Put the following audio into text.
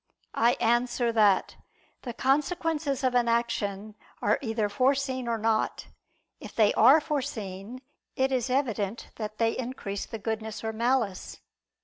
I answer that, The consequences of an action are either foreseen or not. If they are foreseen, it is evident that they increase the goodness or malice.